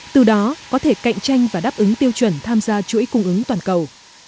từ đó có thể cạnh tranh và đáp ứng tiêu chuẩn tham gia chuỗi cung ứng toàn cầu